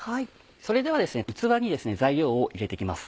それでは器に材料を入れて行きます。